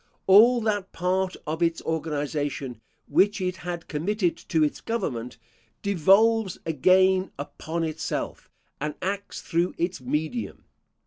All that part of its organisation which it had committed to its government, devolves again upon itself, and acts through its medium.